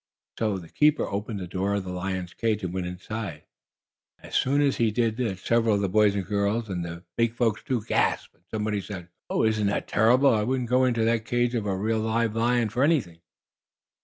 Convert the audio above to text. So the keeper opened the door of the lion's cage and went inside. As soon as he did several of the boys and girls, and the big folks too, gasped, and some said: "Oh, isn't that terrible! I wouldn't go into the cage of a real, live lion for anything!"